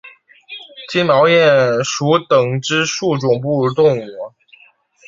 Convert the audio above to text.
金毛鼹属等之数种哺乳动物。